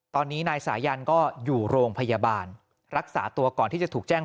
ตอนนี้นายสายันก็อยู่โรงพยาบาลรักษาตัวก่อนที่จะถูกแจ้ง